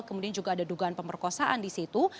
kemudian juga ada dugaan pemerkosaan di situ